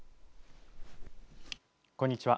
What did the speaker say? こんにちは。